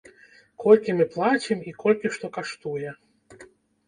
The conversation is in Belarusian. Колькі мы плацім і колькі што каштуе?